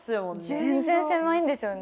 全然狭いんでしょうね